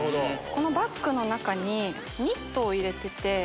このバッグの中にニットを入れてて。